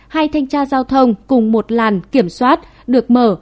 hai thanh tra giao thông cùng một làn kiểm soát được mở